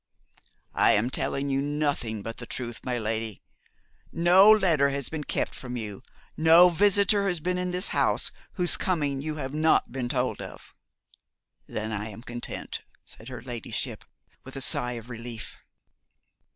'I am telling you nothing but the truth, my lady. No letter has been kept from you; no visitor has been to this house whose coming you have not been told of.' 'Then I am content,' said her ladyship, with a sigh of relief.